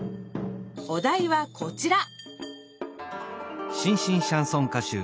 おだいはこちら！